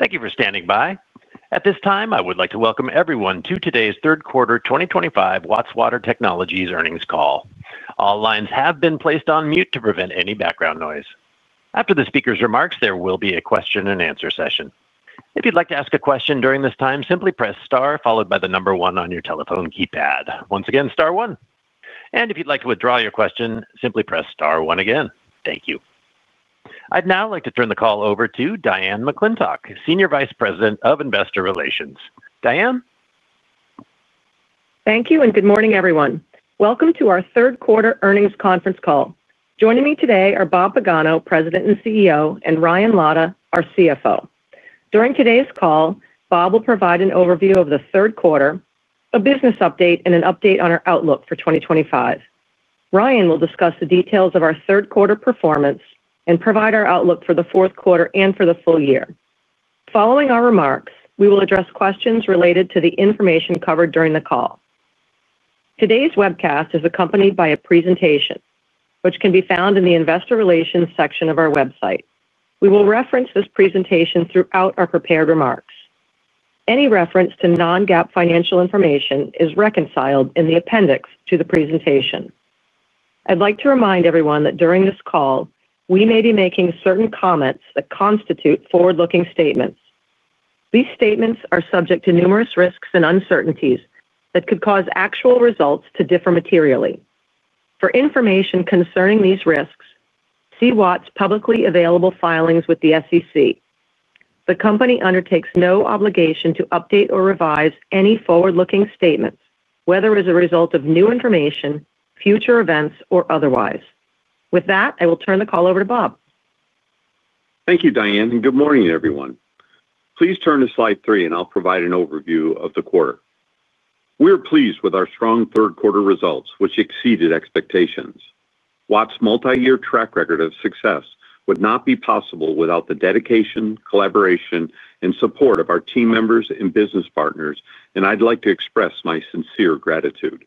Thank you for standing by. At this time, I would like to welcome everyone to today's Third Quarter 2025 Watts Water Technologies Earnings Call. All lines have been placed on mute to prevent any background noise. After the speaker's remarks, there will be a question-and-answer session. If you'd like to ask a question during this time, simply press star followed by the number one on your telephone keypad. Once again, star, one. If you'd like to withdraw your question, simply press star, one again. Thank you. I'd now like to turn the call over to Diane McClintock, Senior Vice President of Investor Relations. Diane? Thank you and good morning, everyone. Welcome to our third-quarter earnings conference call. Joining me today are Bob Pagano, President and CEO, and Ryan Lada, our CFO. During today's call, Bob will provide an overview of the third quarter, a business update and an update on our outlook for 2025. Ryan will discuss the details of our third-quarter performance, and provide our outlook for the fourth quarter and for the full year. Following our remarks, we will address questions related to the information covered during the call. Today's webcast is accompanied by a presentation, which can be found in the investor relations section of our website. We will reference this presentation throughout our prepared remarks. Any reference to non-GAAP financial information is reconciled in the appendix to the presentation. I'd like to remind everyone that during this call, we may be making certain comments that constitute forward-looking statements. These statements are subject to numerous risks and uncertainties that could cause actual results to differ materially. For information concerning these risks, see Watts' publicly available filings with the SEC. The company undertakes no obligation to update or revise any forward-looking statements, whether as a result of new information, future events, or otherwise. With that, I will turn the call over to Bob. Thank you, Diane. Good morning, everyone. Please turn to slide three, and I'll provide an overview of the quarter. We're pleased with our strong third-quarter results, which exceeded expectations. Watts' multi-year track record of success would not be possible without the dedication, collaboration, and support of our team members and business partners, and I'd like to express my sincere gratitude.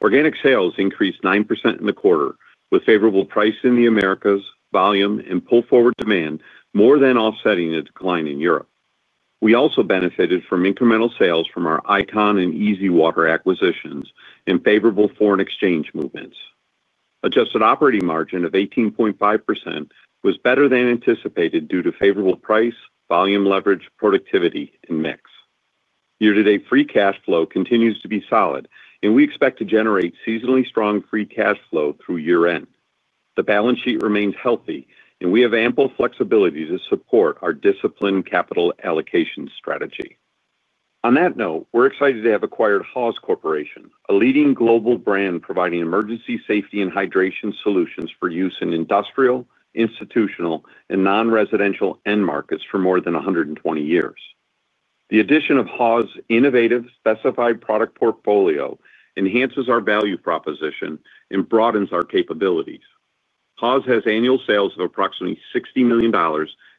Organic sales increased 9% in the quarter, with favorable pricing in the Americas, volume, and pull-forward demand more than offsetting a decline in Europe. We also benefited from incremental sales from our I-CON and EasyWater acquisitions, and favorable foreign exchange movements. Adjusted operating margin of 18.5% was better than anticipated due to favorable price, volume leverage, productivity, and mix. Year-to-date free cash flow continues to be solid, and we expect to generate seasonally strong free cash flow through year-end. The balance sheet remains healthy, and we have ample flexibility to support our disciplined capital allocation strategy. On that note, we're excited to have acquired Haws Corporation, a leading global brand providing emergency safety and hydration solutions for use in industrial, institutional, and non-residential end markets for more than 120 years. The addition of Haws' innovative specified product portfolio enhances our value proposition and broadens our capabilities. Haws has annual sales of approximately $60 million,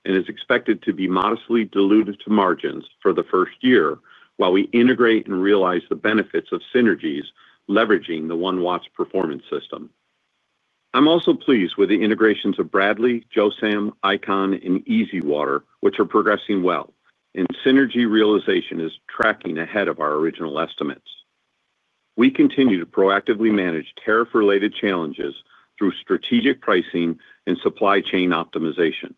and is expected to be modestly diluted to margins for the first year, while we integrate and realize the benefits of synergies, leveraging the OneWatts performance system. I'm also pleased with the integrations of Bradley, Josam, I-CON, and EasyWater, which are progressing well, and synergy realization is tracking ahead of our original estimates. We continue to proactively manage tariff-related challenges through strategic pricing and supply chain optimization.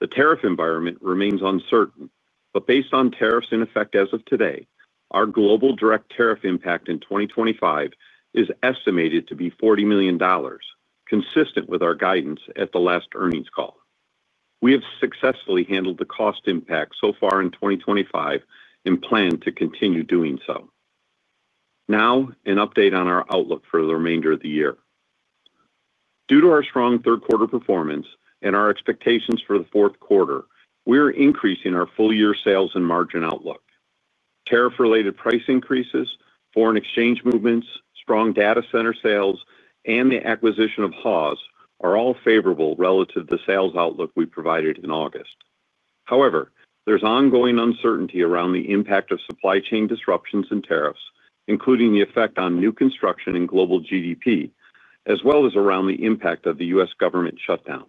The tariff environment remains uncertain, but based on tariffs in effect as of today, our global direct tariff impact in 2025 is estimated to be $40 million, consistent with our guidance at the last earnings call. We have successfully handled the cost impact so far in 2025, and plan to continue doing so. Now, an update on our outlook for the remainder of the year. Due to our strong third-quarter performance and our expectations for the fourth quarter, we are increasing our full-year sales and margin outlook. Tariff-related price increases, foreign exchange movements, strong data center sales, and the acquisition of Haws are all favorable relative to the sales outlook we provided in August. However, there's ongoing uncertainty around the impact of supply chain disruptions and tariffs, including the effect on new construction and global GDP, as well as around the impact of the U.S. government shutdown.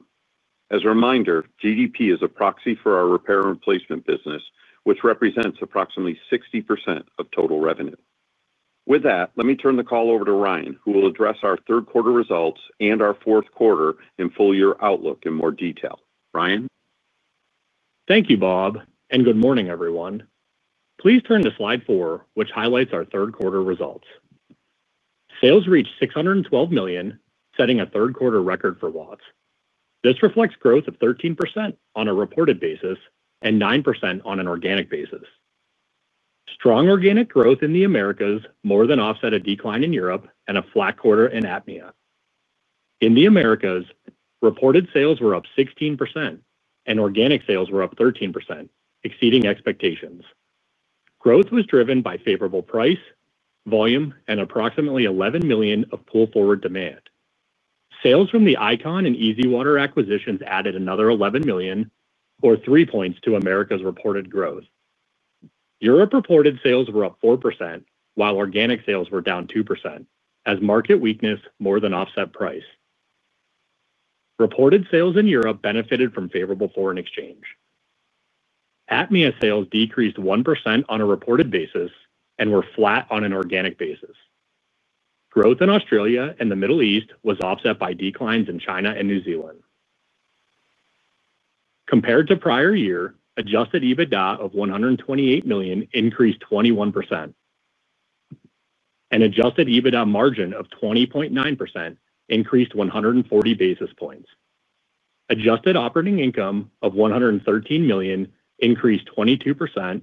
As a reminder, GDP is a proxy for our repair and replacement business, which represents approximately 60% of total revenue. With that, let me turn the call over to Ryan, who will address our third quarter results and our fourth quarter, and full-year outlook in more detail. Ryan? Thank you, Bob. Good morning, everyone. Please turn to slide four, which highlights our third quarter results. Sales reached $612 million, setting a third quarter record for Watts. This reflects growth of 13% on a reported basis and 9% on an organic basis. Strong organic growth in the Americas more than offset a decline in Europe and a flat quarter in APMEA. In the Americas, reported sales were up 16%, and organic sales were up 13%, exceeding expectations. Growth was driven by favorable price, volume, and approximately $11 million of pull-forward demand. Sales from the I-CON and EasyWater acquisitions added another $11 million, or 3% to Americas reported growth. Europe reported sales were up 4%, while organic sales were down 2%, as market weakness more than offset price. Reported sales in Europe benefited from favorable foreign exchange. APMEA sales decreased 1% on a reported basis, and were flat on an organic basis. Growth in Australia and the Middle East was offset by declines in China and New Zealand. Compared to prior year, adjusted EBITDA of $128 million increased 21%. Adjusted EBITDA margin of 20.9% increased 140 basis points. Adjusted operating income of $113 million increased 22%,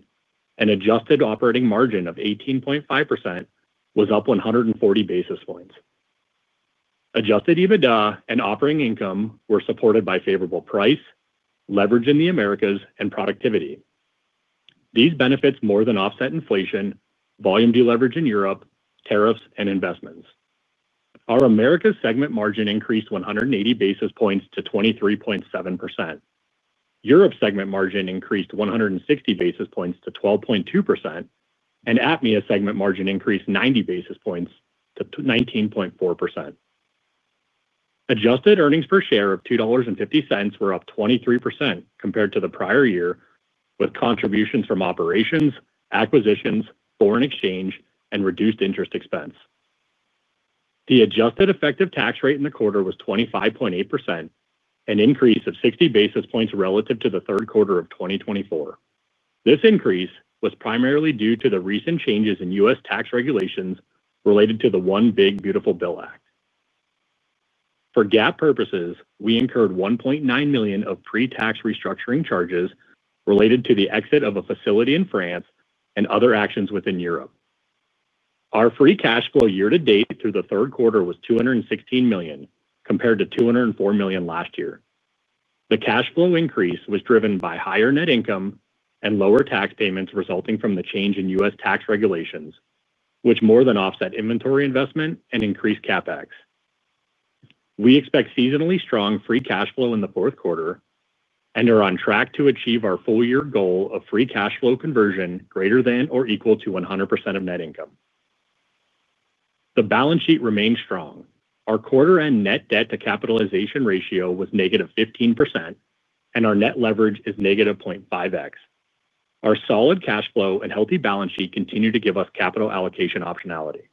and adjusted operating margin of 18.5% was up 140 basis points. Adjusted EBITDA and operating income were supported by favorable price, leverage in the Americas, and productivity. These benefits more than offset inflation, volume deleverage in Europe, tariffs, and investments. Our Americas segment margin increased 180 basis points to 23.7%. Europe segment margin increased 160 basis points to 12.2%, and APMEA segment margin increased 90 basis points to 19.4%. Adjusted earnings per share of $2.50 were up 23% compared to the prior year, with contributions from operations, acquisitions, foreign exchange, and reduced interest expense. The adjusted effective tax rate in the quarter was 25.8%, an increase of 60 basis points relative to the third quarter of 2024. This increase was primarily due to the recent changes in U.S. tax regulations related to the One Big Beautiful Bill Act. For GAAP purposes, we incurred $1.9 million of pre-tax restructuring charges related to the exit of a facility in France and other actions within Europe. Our free cash flow year-to-date through the third quarter was $216 million, compared to $204 million last year. The cash flow increase was driven by higher net income and lower tax payments resulting from the change in U.S. tax regulations, which more than offset inventory investment and increased CapEx. We expect seasonally strong free cash flow in the fourth quarter, and are on track to achieve our full-year goal of free cash flow conversion greater than or equal to 100% of net income. The balance sheet remains strong. Our quarter-end net debt-to-capitalization ratio was -15%, and our net leverage is negative 0.5x. Our solid cash flow and healthy balance sheet continue to give us capital allocation optionality.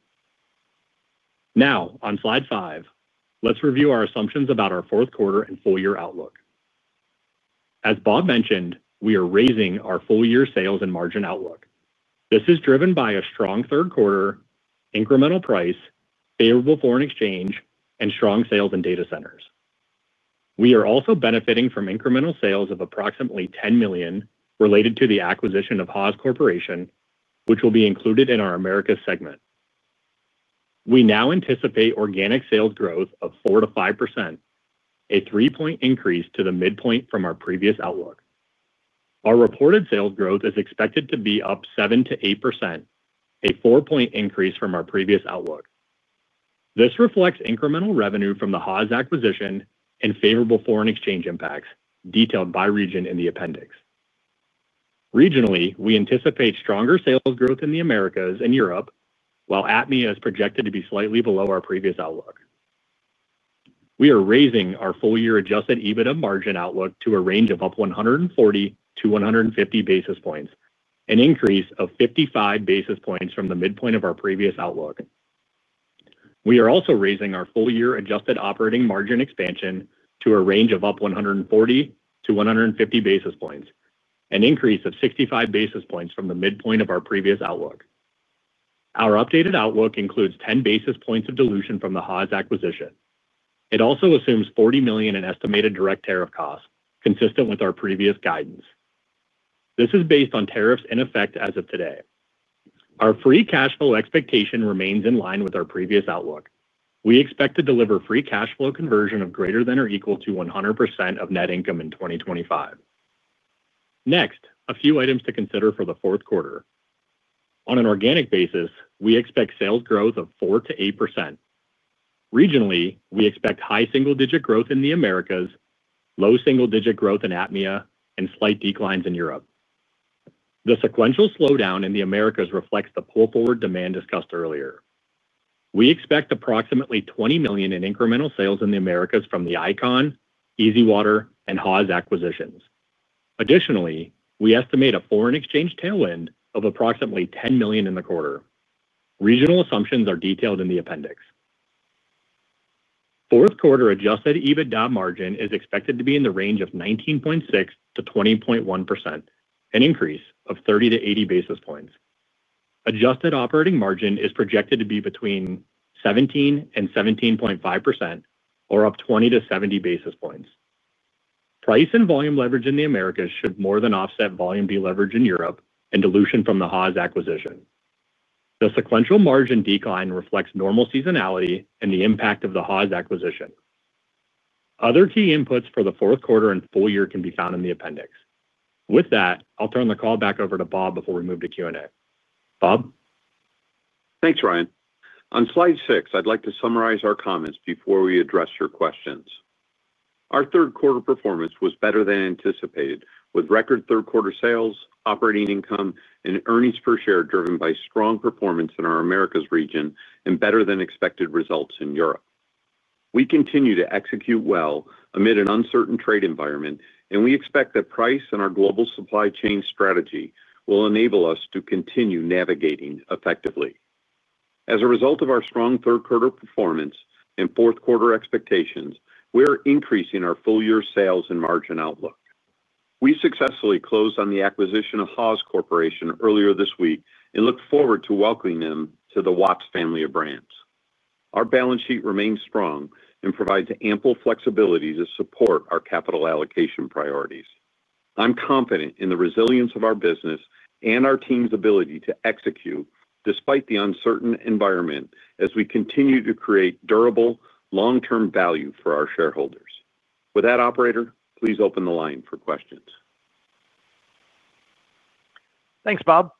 Now, on slide five, let's review our assumptions about our fourth quarter and full-year outlook. As Bob mentioned, we are raising our full-year sales and margin outlook. This is driven by a strong third quarter, incremental price, favorable foreign exchange, and strong sales in data centers. We are also benefiting from incremental sales of approximately $10 million, related to the acquisition of Haws Corporation, which will be included in our Americas segment. We now anticipate organic sales growth of 4%-5%, a three-point increase to the midpoint from our previous outlook. Our reported sales growth is expected to be up 7%-8%, a four-point increase from our previous outlook. This reflects incremental revenue from the Haws acquisition, and favorable foreign exchange impacts detailed by region in the appendix. Regionally, we anticipate stronger sales growth in the Americas and Europe, while APMEA is projected to be slightly below our previous outlook. We are raising our full-year adjusted EBITDA margin outlook to a range of up 140-150 basis points, an increase of 55 basis points from the midpoint of our previous outlook. We are also raising our full-year adjusted operating margin expansion to a range of up 140-150 basis points, an increase of 65 basis points from the midpoint of our previous outlook. Our updated outlook includes 10 basis points of dilution from the Haws acquisition. It also assumes $40 million in estimated direct tariff costs, consistent with our previous guidance. This is based on tariffs in effect as of today. Our free cash flow expectation remains in line with our previous outlook. We expect to deliver free cash flow conversion of greater than or equal to 100% of net income in 2025. Next, a few items to consider for the fourth quarter. On an organic basis, we expect sales growth of 4%-8%. Regionally, we expect high single-digit growth in the Americas, low single-digit growth in APMEA and slight declines in Europe. The sequential slowdown in the Americas reflects the pull-forward demand discussed earlier. We expect approximately $20 million in incremental sales in the Americas from the I-CON, EasyWater, and Haws acquisitions. Additionally, we estimate a foreign exchange tailwind of approximately $10 million in the quarter. Regional assumptions are detailed in the appendix. Fourth quarter adjusted EBITDA margin is expected to be in the range of 19.6%-20.1%, an increase of 30-80 basis points. Adjusted operating margin is projected to be between 17%-17.5%, or up 20-70 basis points. Price and volume leverage in the Americas should more than offset volume deleverage in Europe, and dilution from the Haws acquisition. The sequential margin decline reflects normal seasonality and the impact of the Haws acquisition. Other key inputs for the fourth quarter and full year can be found in the appendix. With that, I'll turn the call back over to Bob, before we move to Q&A. Bob? Thanks, Ryan. On slide six, I'd like to summarize our comments before we address your questions. Our third quarter performance was better than anticipated, with record third quarter sales, operating income, and earnings per share driven by strong performance in our Americas region and better-than-expected results in Europe. We continue to execute well amid an uncertain trade environment, and we expect that price and our global supply chain strategy will enable us to continue navigating effectively. As a result of our strong third-quarter performance and fourth-quarter expectations, we are increasing our full-year sales and margin outlook. We successfully closed on the acquisition of Haws Corporation earlier this week, and look forward to welcoming them to the Watts family of brands. Our balance sheet remains strong, and provides ample flexibility to support our capital allocation priorities. I'm confident in the resilience of our business and our team's ability to execute, despite the uncertain environment as we continue to create durable, long-term value for our shareholders. With that, operator, please open the line for questions. Thanks, Bob.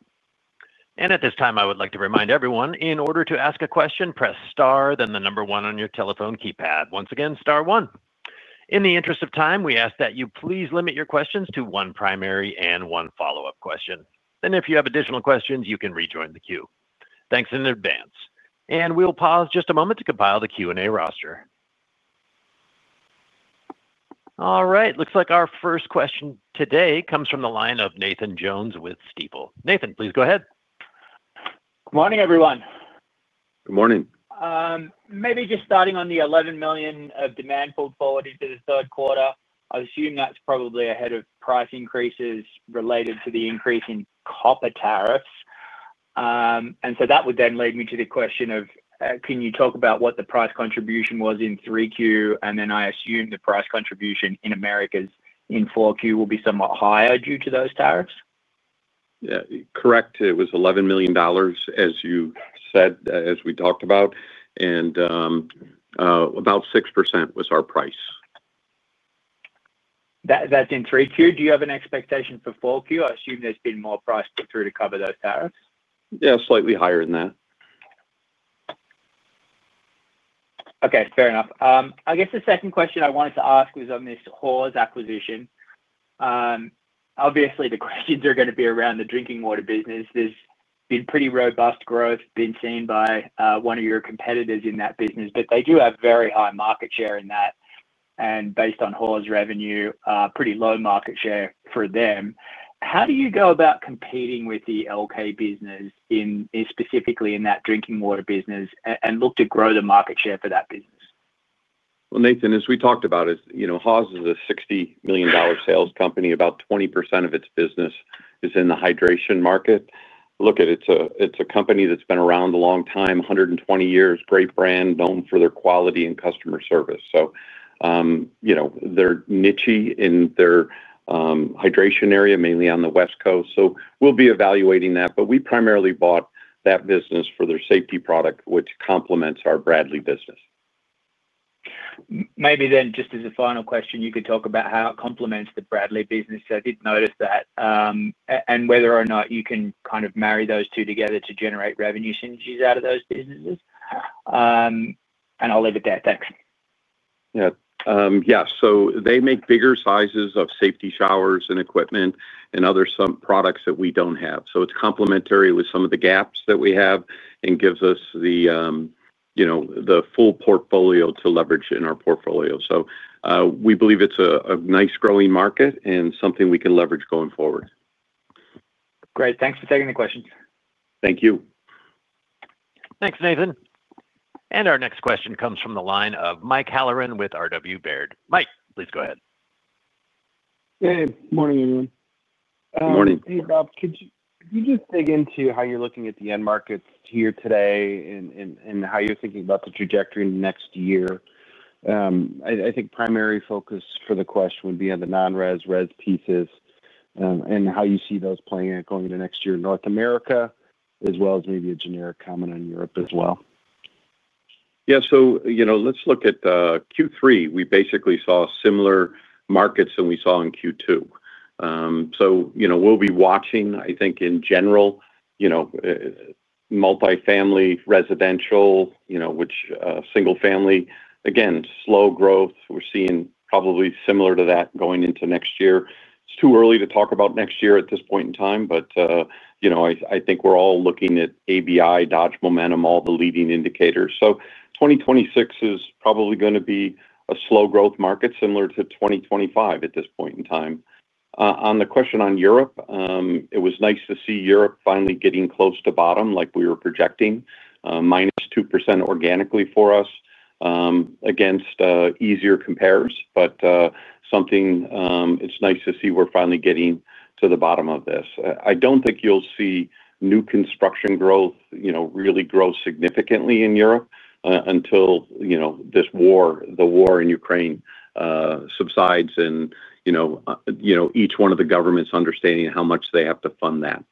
At this time, I would like to remind everyone, in order to ask a question, press star, then the number one on your telephone keypad. Once again, star, one. In the interest of time, we ask that you please limit your questions to one primary and one follow-up question. If you have additional questions, you can rejoin the queue. Thanks in advance. We'll pause just a moment to compile the Q&A roster. All right, looks like our first question today comes from the line of Nathan Jones with Stifel. Nathan, please go ahead. Good morning, everyone. Good morning. Maybe just starting on the $11 million of demand portfolio for the third quarter, I assume that's probably ahead of price increases related to the increase in copper tariffs. That would then lead me to the question of, can you talk about what the price contribution was in 3Q? I assume the price contribution in Americas in 4Q will be somewhat higher due to those tariffs. Yeah, correct. It was $11 million, as we talked about and about 6% was our price. That's in 3Q. Do you have an expectation for 4Q? I assume there's been more price put through to cover those tariffs. Yeah, slightly higher than that. Okay, fair enough. I guess the second question I wanted to ask was on this Haws acquisition. Obviously, the questions are going to be around the drinking water business. There's been pretty robust growth being seen by one of your competitors in that business, but they do have very high market share in that and based on Haws revenue, a pretty low market share for them. How do you go about competing with the Elkay business, specifically in that drinking water business and look to grow the market share for that business? Nathan, as we talked about, Haws is a $60 million sales company. About 20% of its business is in the hydration market. Look at it. It's a company that's been around a long time, 120 years, great brand, known for their quality and customer service. They're niche in their hydration area, mainly on the West Coast. We'll be evaluating that. We primarily bought that business for their safety product, which complements our Bradley business. Maybe then just as a final question, you could talk about how it complements the Bradley business. I did notice that, and whether or not you can kind of marry those two together to generate revenue synergies out of those businesses. I'll leave it there. Thanks. Yeah. They make bigger sizes of safety showers and equipment and other products that we do not have. It is complementary with some of the gaps that we have, and gives us the full portfolio to leverage in our portfolio. We believe it's a nice growing market and something we can leverage going forward. Great. Thanks for taking the questions. Thank you. Thanks, Nathan. Our next question comes from the line of Mike Halloran with RW Baird. Mike, please go ahead. Hey. Morning, everyone. Morning. Hey, Bob. Could you just dig into how you're looking at the end markets here today, and how you're thinking about the trajectory in the next year? I think primary focus for the question would be on the non-RES, RES piece and how you see those playing out going into next year in North America, as well as maybe a generic comment on Europe as well. Yeah, so let's look at Q3. We basically saw similar markets than we saw in Q2. We'll be watching, I think in general, multifamily, residential, single-family, again slow growth. We're seeing probably similar to that going into next year. It's too early to talk about next year at this point in time, but I think we're all looking at ABI, Dodge Momentum, all the leading indicators. 2026 is probably going to be a slow-growth market, similar to 2025 at this point in time. On the question on Europe, it was nice to see Europe finally getting close to bottom. Like we were projecting, -2% organically for us against easier compares, but it's nice to see we're finally getting to the bottom of this. I don't think you'll see new construction growth really grow significantly in Europe until the war in Ukraine subsides, and each one of the governments understanding how much they have to fund that.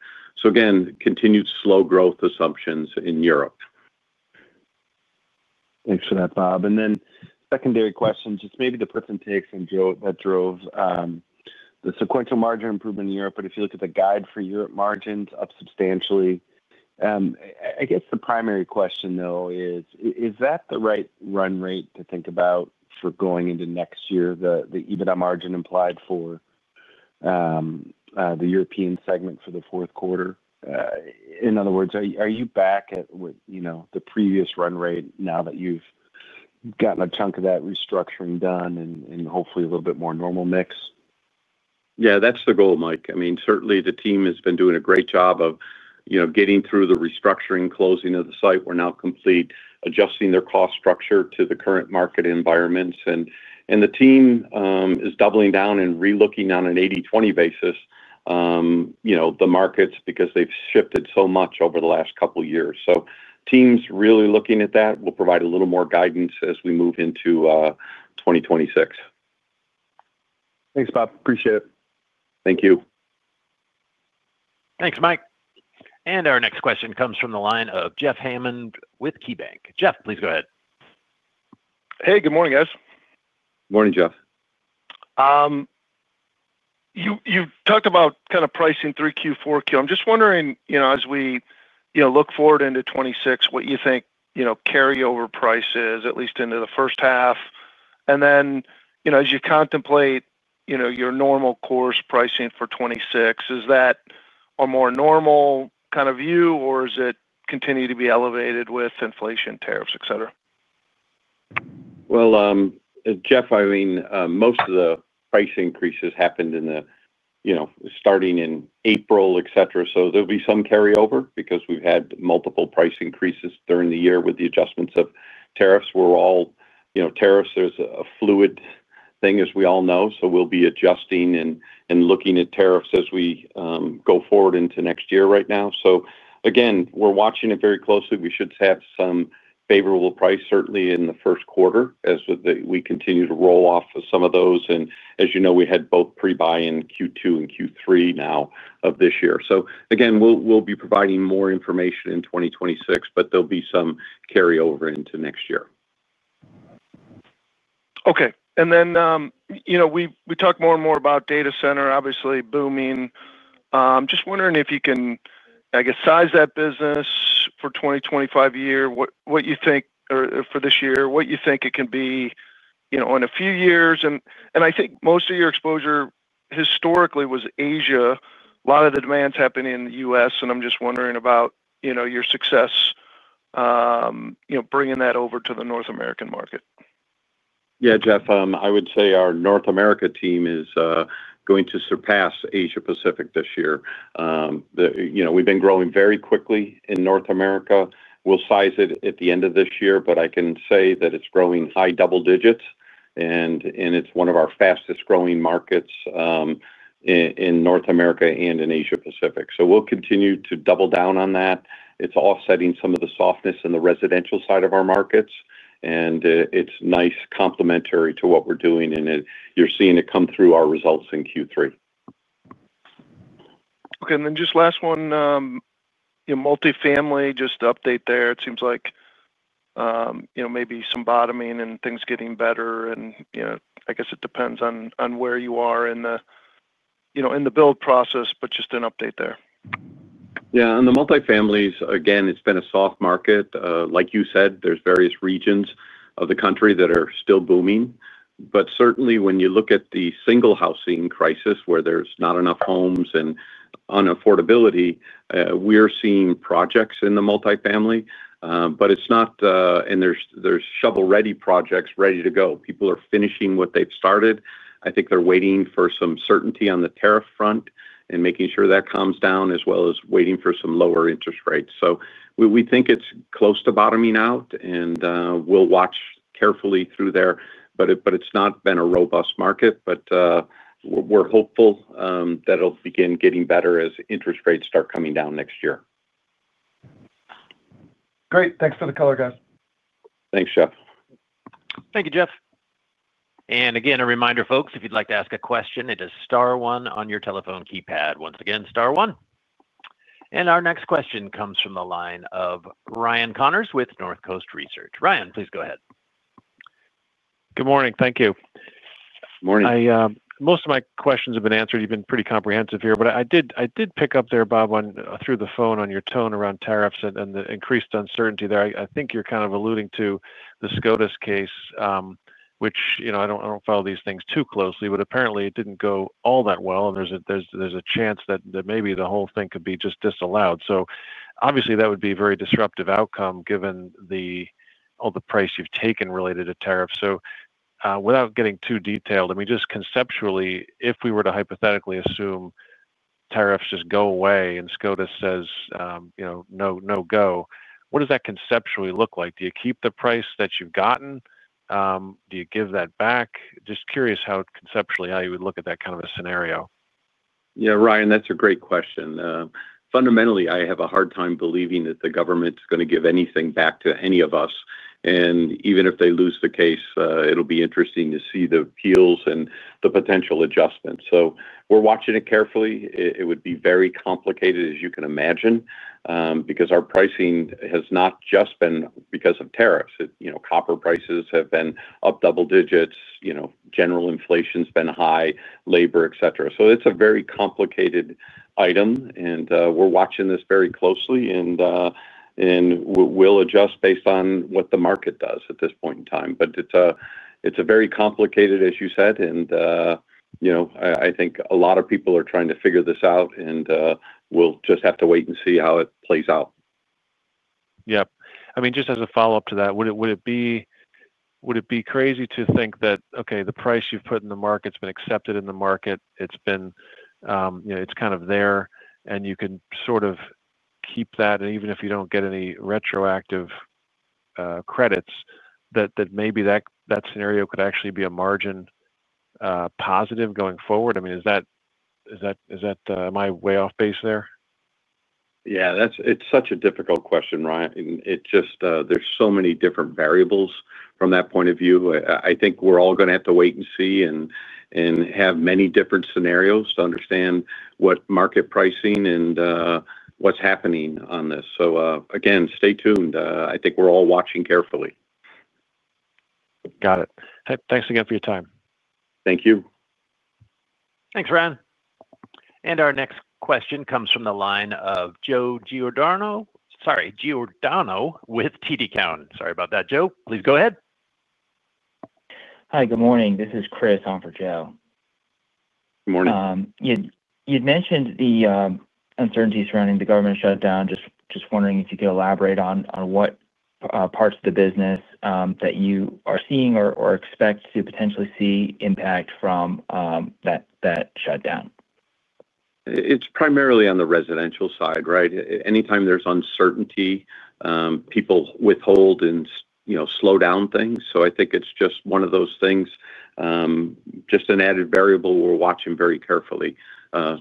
Again, continued slow growth assumptions in Europe. Thanks for that, Bob. Secondary questions, just maybe the [percentage] takes that drove the sequential margin improvement in Europe, but if you look at the guide for Europe margins, up substantially. I guess the primary question, though is, is that the right run rate to think about for going into next year, the EBITDA margin implied for the European segment for the fourth quarter? In other words, are you back at the previous run rate now that you've gotten a chunk of that restructuring done and hopefully a little bit more normal mix? Yeah. That's the goal, Mike. I mean, certainly, the team has been doing a great job of getting through the restructuring, closing of the site. We're now complete, adjusting their cost structure to the current market environments. The team is doubling down and relooking on an 80/20 basis, the markets because they've shifted so much over the last couple of years. Teams really looking at that will provide a little more guidance as we move into 2026. Thanks, Bob. Appreciate it. Thank you. Thanks, Mike. Our next question comes from the line of Jeff Hammond with KeyBanc. Jeff, please go ahead. Hey. Good morning, guys. Morning, Jeff. You've talked about kind of pricing 3Q, 4Q. I'm just wondering, as we look forward into 2026, what you think carryover price is, at least into the first half. As you contemplate your normal course pricing for 2026, is that a more normal kind of view or is it continuing to be elevated with inflation, tariffs, etc.? Jeff, I mean, most of the price increases happened starting in April, etc. There will be some carryover because we've had multiple price increases during the year, with the adjustments of tariffs. Tariffs are a fluid thing, as we all know. We will be adjusting and looking at tariffs as we go forward into next year right now. Again, we're watching it very closely. We should have some favorable price certainly in the first quarter, as we continue to roll off some of those. As you know, we had both pre-buy in Q2 and Q3 now, of this year. Again, we will be providing more information in 2026, but there will be some carryover into next year. Okay. We talk more and more about data center obviously booming. Just wondering if you can size that business for 2025 year, what you think for this year, what you think it can be in a few years. I think most of your exposure historically was Asia. A lot of the demand's happening in the U.S. I'm just wondering about your success bringing that over to the North American market. Yeah. Jeff, I would say our North America team is going to surpass Asia-Pacific this year. We've been growing very quickly in North America. We'll size it at the end of this year, but I can say that it's growing high double digits. It's one of our fastest-growing markets in North America and in Asia-Pacific. We'll continue to double down on that. It's offsetting some of the softness in the residential side of our markets. It's nice, complementary to what we're doing and you're seeing it come through our results in Q3. Okay, and then just a last one. In multifamily, just to update there, it seems like maybe some bottoming and things getting better. I guess it depends on where you are in the build process, but just an update there. Yeah. On the multifamily, again, it's been a soft market. Like you said, there's various regions of the country that are still booming. Certainly, when you look at the single housing crisis, where there's not enough homes and unaffordability, we're seeing projects in the multifamily. Td there's shovel-ready projects ready to go. People are finishing what they've started. I think they're waiting for some certainty on the tariff front and making sure that calms down, as well as waiting for some lower interest rates. We think it's close to bottoming out. We'll watch carefully through there. It's not been a robust market. We're hopeful that it'll begin getting better as interest rates start coming down next year. Great. Thanks for the color, guys. Thanks, Jeff. Thank you, Jeff. Again, a reminder, folks, if you'd like to ask a question, it is star, one on your telephone keypad. Once again, star, one. Our next question comes from the line of Ryan Connors with Northcoast Research. Ryan, please go ahead. Good morning. Thank you. Good morning. Most of my questions have been answered. You've been pretty comprehensive here. I did pick up there, Bob, through the phone on your tone around tariffs and the increased uncertainty there. I think you're kind of alluding to the SCOTUS case, which I don't follow these things too closely, but apparently, it didn't go all that well. There's a chance that maybe the whole thing could be just disallowed. Obviously, that would be a very disruptive outcome, given all the price you've taken related to tariffs. Without getting too detailed, I mean, just conceptually, if we were to hypothetically assume tariffs just go away and SCOTUS says, "No go," what does that conceptually look like? Do you keep the price that you've gotten? Do you give that back? Just curious, conceptually how you would look at that kind of a scenario. Yeah. Ryan, that's a great question. Fundamentally, I have a hard time believing that the government's going to give anything back to any of us. Even if they lose the case, it'll be interesting to see the appeals and the potential adjustments. We're watching it carefully. It would be very complicated, as you can imagine, because our pricing has not just been because of tariffs. Copper prices have been up double digits. General inflation's been high, labor, etc. It's a very complicated item. We're watching this very closely. We'll adjust based on what the market does at this point in time. It's very complicated, as you said. I think a lot of people are trying to figure this out. We'll just have to wait and see how it plays out. Yeah. I mean, just as a follow-up to that, would it be crazy to think that, okay, the price you've put in the market's been accepted in the market. It's been kind of there and you can sort of keep that. Even if you don't get any retroactive credits, maybe that scenario could actually be a margin positive going forward? I mean, is that my way off base there? Yeah. It's such a difficult question, Ryan. There are so many different variables from that point of view. I think we're all going to have to wait and see, and have many different scenarios to understand market pricing and what's happening on this. Again, stay tuned. I think we're all watching carefully. Got it. Thanks again for your time. Thank you. Thanks, Ryan. Our next question comes from the line of Joe Giordano. Sorry, Giordano with TD Cowen. Sorry about that, Joe. Please go ahead. Hi, good morning. This is Chris on for Joe. Good morning. You'd mentioned the uncertainty surrounding the government shutdown. Just wondering if you could elaborate on what parts of the business that you are seeing or expect to potentially see impact from that shutdown. It's primarily on the residential side, right? Anytime there's uncertainty, people withhold and slow down things. I think it's just one of those things, just an added variable we're watching very carefully.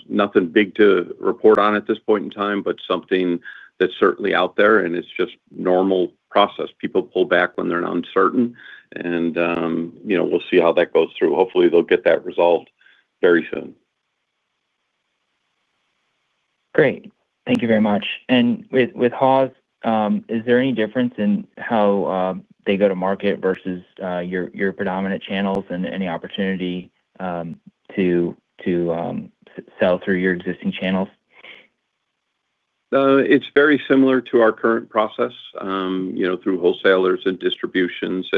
Nothing big to report on at this point in time, but something that's certainly out there. It's just normal process. People pull back when they're not certain, and we'll see how that goes through. Hopefully, they'll get that resolved very soon. Great. Thank you very much. With Haws, is there any difference in how they go to market versus your predominant channels, and any opportunity to sell through your existing channels? It's very similar to our current process, through wholesalers and distributions.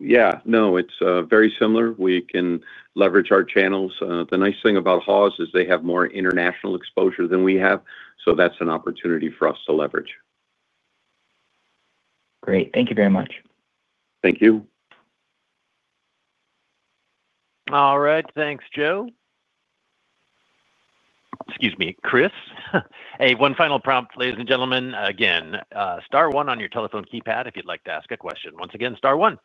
Yeah. No, it's very similar. We can leverage our channels. The nice thing about Haws is they have more international exposure than we have, so that's an opportunity for us to leverage. Great. Thank you very much. Thank you. All right. Thanks, Chris. Hey, one final prompt, ladies and gentlemen. Again, star, one on your telephone keypad if you'd like to ask a question. Once again, star, one.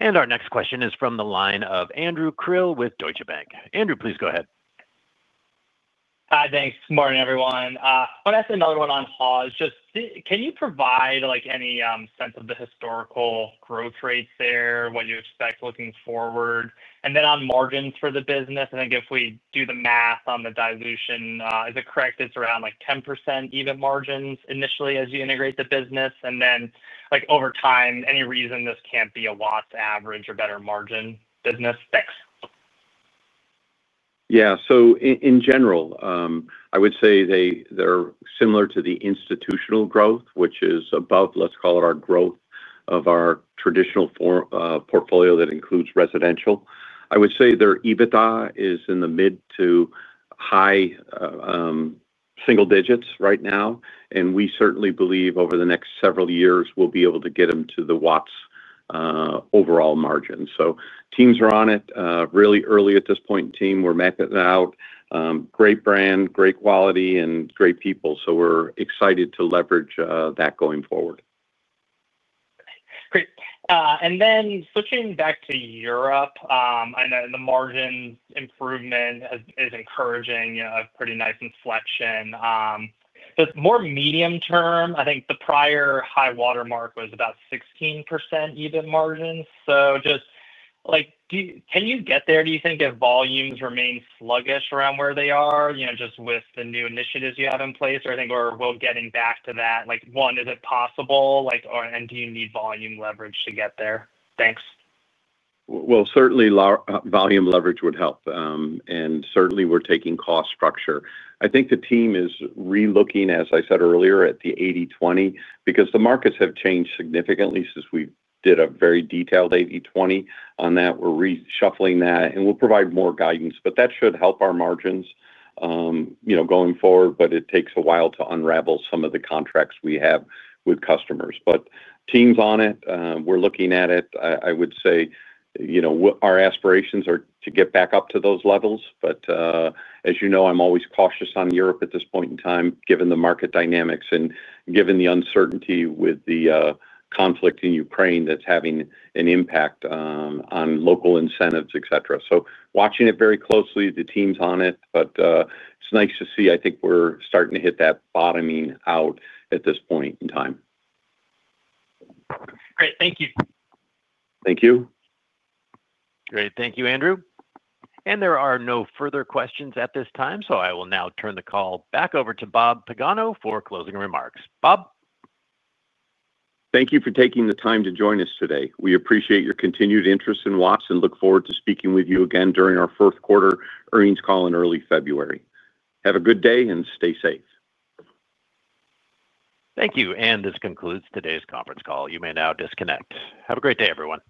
Our next question is from the line of Andrew Krill with Deutsche Bank. Andrew, please go ahead. Hi, thanks. Good morning, everyone. I want to ask another one on Haws. Just, can you provide any[ sense] of the historical growth rates there, what you expect looking forward? On margins for the business, I think if we do the math on the dilution, is it correct it's around 10% even margins initially as you integrate the business? Over time, any reason this can't be a Watts' average or better margin business? Thanks. Yeah. In general, I would say they are similar to the institutional growth, which is above, let's call it, our growth of our traditional portfolio that includes residential. I would say their EBITDA is in the mid to high single digits right now. We certainly believe over the next several years, we'll be able to get them to the Watts overall margin. Teams are on it really early at this point. Teams are mapping it out. Great brand, great quality, and great people. We're excited to leverage that going forward. Great. Switching back to Europe, I know the margin improvement is encouraging, a pretty nice inflection. Just more medium term, I think the prior high watermark was about 16% even margin. Just, can you get there do you think, if volumes remain sluggish around where they are? Just with the new initiatives you have in place, I think we're getting back to that. One, is it possible and do you need volume leverage to get there? Thanks. Certainly, volume leverage would help. Certainly, we're taking cost structure. I think the team is relooking, as I said earlier, at the 80/20, because the markets have changed significantly since we did a very detailed 80/20 on that. We're reshuffling that. We will provide more guidance, but that should help our margins going forward. It takes a while to unravel some of the contracts we have with customers. The team's on it. We're looking at it. I would say our aspirations are to get back up to those levels. As you know, I'm always cautious on Europe at this point in time, given the market dynamics and given the uncertainty with the conflict in Ukraine that's having an impact on local incentives, etc. Watching it very closely, the team's on it. It's nice to see., I think we're starting to hit that bottoming out at this point in time. Great. Thank you. Thank you. Great. Thank you, Andrew. There are no further questions at this time. I will now turn the call back over to Bob Pagano for closing remarks. Bob. Thank you for taking the time to join us today. We appreciate your continued interest in Watts, and look forward to speaking with you again during our fourth quarter earnings call in early February. Have a good day and stay safe. Thank you. This concludes today's conference call. You may now disconnect. Have a great day, everyone.